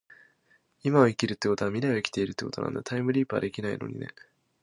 今を生きるってことは未来を生きているってことなんだ。タァイムリィプはできないのにね